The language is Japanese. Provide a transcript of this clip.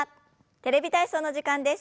「テレビ体操」の時間です。